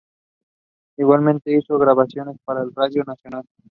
Igualmente, hizo grabaciones para la radio nacional.